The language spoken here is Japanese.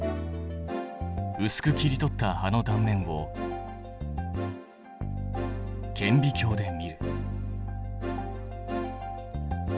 うすく切り取った葉の断面を顕微鏡で見る。